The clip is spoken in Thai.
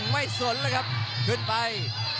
สนแล้วครับขึ้นไป